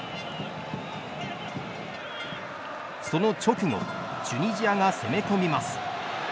その直後チュニジアが攻め込みます。